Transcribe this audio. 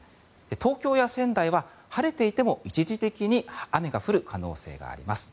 東京や仙台は晴れていても一時的に雨が降る可能性があります。